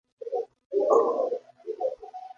He always contrives to be sick at the least thing!